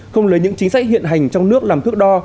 không lấy những chính sách hiện hành trong nước làm thước đo